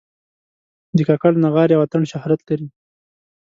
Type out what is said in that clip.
د کاکړ نغارې او اتڼ شهرت لري.